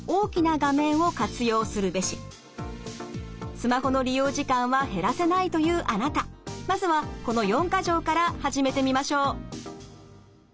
スマホの利用時間は減らせないというあなたまずはこの四か条から始めてみましょう。